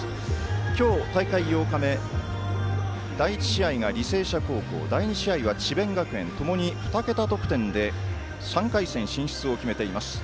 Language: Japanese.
今日、大会８日目第１試合が履正社高校第２試合が智弁学園ともに２桁得点で３回戦進出を決めています。